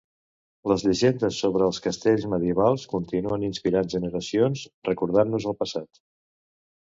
Les llegendes sobre els castells medievals continuen inspirant generacions, recordant-nos el passat.